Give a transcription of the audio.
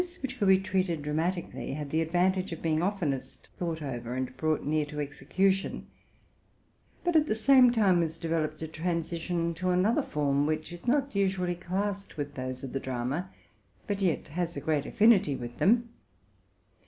— TRANS, 158 TRUTH AND FICTION Those which could be treated dramatically had the advantage of being oftenest thought over and brought near to execu tion; but at the same time was developed a transition to another form, which is not usually classed with those of the drama, but yet has a great affinity with them.